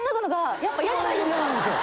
イヤなんですよ。